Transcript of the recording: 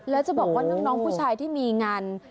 แล้วจะบอกว่าน้องผู้ชายที่มีงาน